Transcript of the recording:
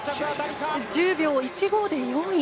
１０秒１５で４位。